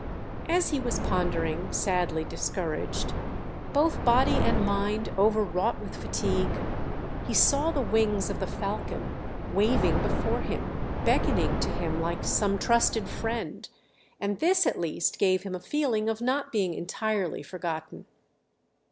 As he was pondering, sadly discouraged, both body and mind overwrought with fatigue, he saw the wings of the falcon waving before him, beckoning to him like some trusted friend; and this, at least, gave him a feeling of not being entirely forgotten.